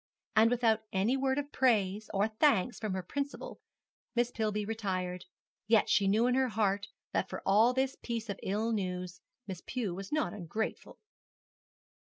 And without any word of praise or thanks from her principal, Miss Pillby retired: yet she knew in her heart that for this piece of ill news Miss Pew was not ungrateful.